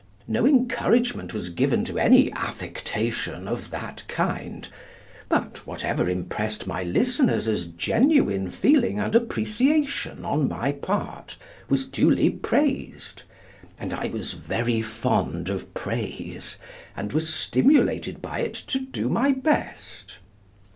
No encouragement was given to any affectation of that kind; but whatever impressed my listeners as genuine feeling and appreciation on my part, was duly praised; and I was very fond of praise, and was stimulated by it to do my best.